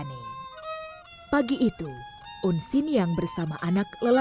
kecamatan kecamatan bajor